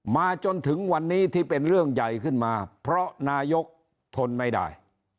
มาจนถึงวันนี้ที่เป็นเรื่องใหญ่ขึ้นมาเพราะนายกทนไม่ได้